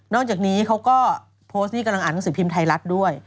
อกจากนี้เขาก็โพสต์ที่กำลังอ่านหนังสือพิมพ์ไทยรัฐด้วย